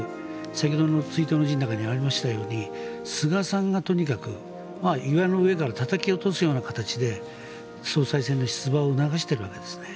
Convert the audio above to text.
先ほどの追悼の辞の中でありましたように菅さんがとにかく、岩の上からたたき落とすような形で総裁選に出馬を促しているわけですね。